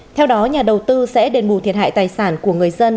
theo đó nhà đầu tư sẽ đền bù thiệt hại tài sản của người dân